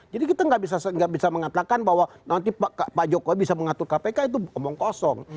jadi kita enggak bisa mengatakan bahwa nanti pak jokowi bisa mengatur kpk itu omong kosong